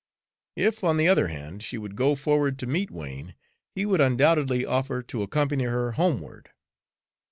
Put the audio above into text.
If, on the other hand, she should go forward to meet Wain, he would undoubtedly offer to accompany her homeward.